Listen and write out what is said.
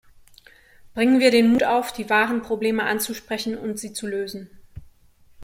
Bringen wir den Mut auf, die wahren Probleme anzusprechen und sie zu lösen!